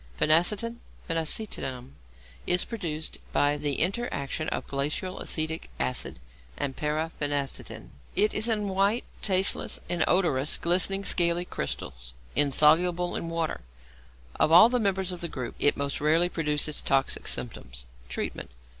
=Phenacetin, Phenacetinum=, is produced by the interaction of glacial acetic acid and para phenetidin. It is in white, tasteless, inodorous, glistening, scaly crystals, insoluble in water. Of all the members of the group, it most rarely produces toxic symptoms. _Treatment.